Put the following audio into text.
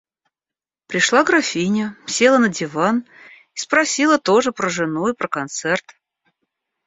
Пришла графиня, села на диван и спросила тоже про жену и про концерт.